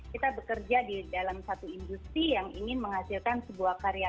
kita bekerja di dalam satu industri yang ingin menghasilkan sebuah karya